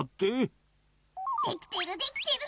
できてるできてる。